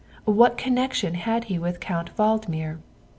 What connection had he with Count Valdmir?